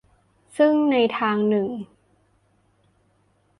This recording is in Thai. ซึ่งในทางหนึ่ง